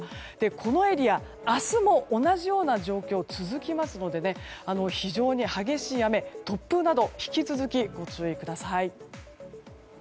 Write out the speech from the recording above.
このエリア、明日も同じような状況、続きますので非常に激しい雨、突風など引き続きご注意ください。